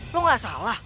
lo gak salah